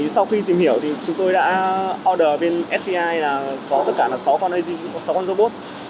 sau khi tìm hiểu chúng tôi đã order bên spi là có tất cả sáu con agv sáu con robot